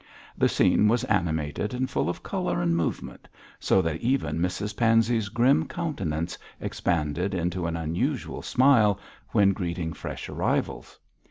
The scene was animated and full of colour and movement, so that even Mrs Pansey's grim countenance expanded into an unusual smile when greeting fresh arrivals.